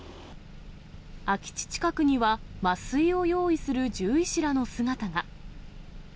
空き地近くには麻酔を用意する獣医師らの姿が。